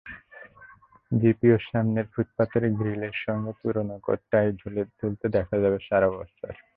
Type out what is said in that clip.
জিপিওর সামনের ফুটপাতের গ্রিলের সঙ্গে পুরোনো কোট-টাই ঝুলতে দেখা যাবে সারা বছর।